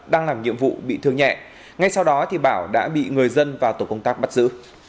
đang làm nhiệm vụ bị thương nhẹ ngay sau đó bảo đã bị người dân và tổ công tác bắt giữ